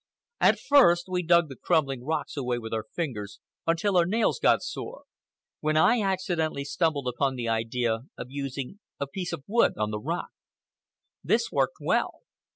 At first we dug the crumbling rocks away with our fingers, until our nails got sore, when I accidentally stumbled upon the idea of using a piece of wood on the rock. This worked well.